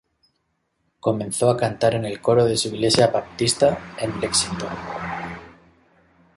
Comenzó a cantar en el coro de su iglesia baptista en Lexington.